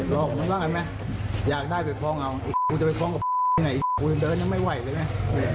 รอบมันบ้างไหมอยากได้ไปฟ้องเอาไอ้กูจะไปฟ้องกับไอ้กูยังเดินยังไม่ไหวเลยไหม